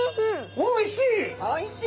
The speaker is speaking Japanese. おいしい！